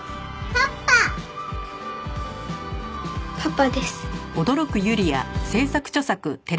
パパです。